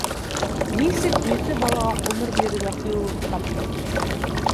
Нисек ете балаға ғүмер бирергә ҡыйыулыҡ таптың, әсәй?